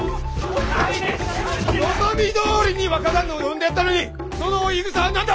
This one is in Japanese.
望みどおりに若旦那を呼んでやったのにその言いぐさは何だ？